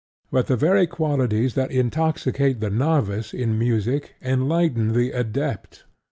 But the very qualities that intoxicate the novice in music enlighten the adept.